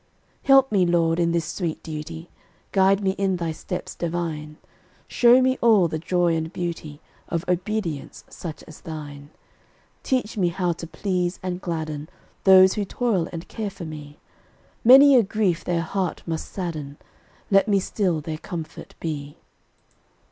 Help me, Lord, in this sweet duty; Guide me in Thy steps divine; Show me all the joy and beauty Of obedience such as thine. Teach me how to please and gladden Those who toil and care for me; Many a grief their heart must sadden, Let me still their comfort be.